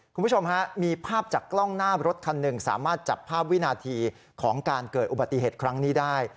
คุณผู้ชมฮะมีภาพจากกล้องหน้ารถคันหนึ่งสามารถจับภาพวินาทีของการเกิดอุบัติเหตุครั้งนี้ได้